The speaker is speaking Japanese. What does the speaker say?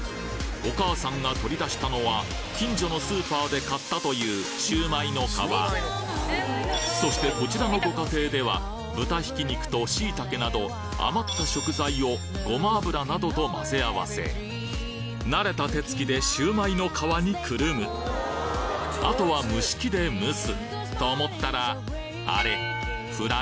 お母さんが取り出したのは近所のスーパーで買ったというシュウマイの皮そしてこちらのご家庭では豚挽き肉とシイタケなど余った食材をごま油などと混ぜあわせ慣れた手つきでシュウマイの皮にくるむあとは蒸し器で蒸すと思ったらあれ？